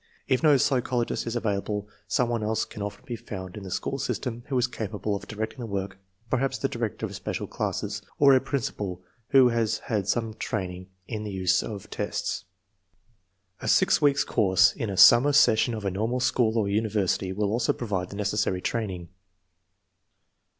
If no psychologist is available, some one else can often be found in the school system who is capable of directing the work, perhaps the director of special classes, or a principal who has had some training in the use of tests. A six weeks course in a summer ses sion of a normal school or university will also provide the necessary training.